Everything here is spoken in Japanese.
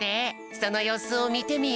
そのようすをみてみよう。